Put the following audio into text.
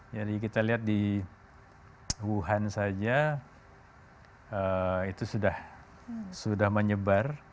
jadi kita lihat di wuhan saja itu sudah menyebar